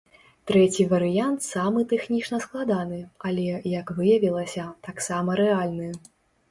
Трэці варыянт самы тэхнічна складаны, але, як выявілася, таксама рэальны.